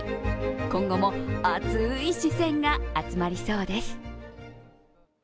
今後もあつい視線が集まりそうです。